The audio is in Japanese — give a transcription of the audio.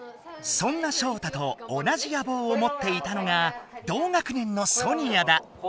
そんなショウタと同じやぼうをもっていたのが同学年のソニアだ。